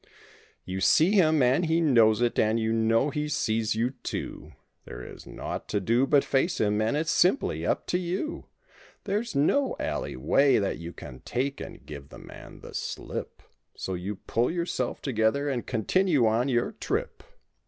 i6 You see him and he knows it and you know he sees you, too ; There is naught to do but face him and it's simply up to you. There's no alley way that you can take and give the man the slip, So you pull yourself together and continue on your trip.